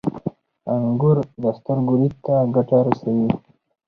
• انګور د سترګو لید ته ګټه رسوي.